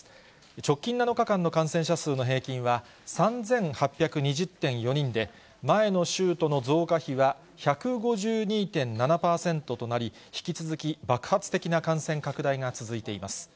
直近７日間の感染者数の平均は３８２０．４人で、前の週との増加比は１５２．７％となり、引き続き爆発的な感染拡大が続いています。